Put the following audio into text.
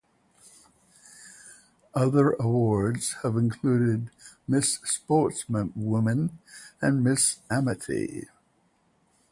Other awards have included Miss Sportswoman and Miss Amity.